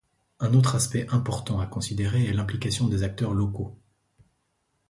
Un autre aspect important à considérer est l'implication des acteurs locaux.